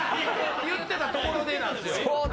言ってたところでなんすよ。